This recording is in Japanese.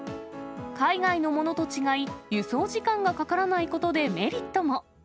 海外のものと違い、輸送時間がかからないことでメリットも。